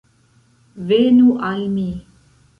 Venu al mi!